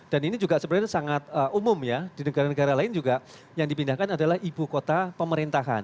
dan ini juga sebenarnya sangat umum ya di negara negara lain juga yang dipindahkan adalah ibu kota pemerintahan